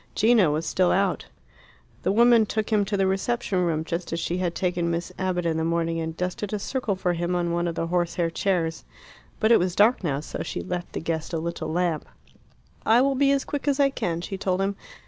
Gino was still out. The woman took him to the reception room, just as she had taken Miss Abbott in the morning, and dusted a circle for him on one of the horsehair chairs. But it was dark now, so she left the guest a little lamp. "I will be as quick as I can," she told him.